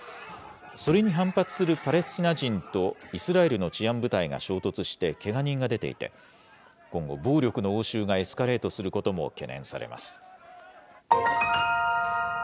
それに反発するパレスチナ人とイスラエルの治安部隊が衝突してけが人が出ていて、今後、暴力の応酬がエスカレートすることも懸念されます。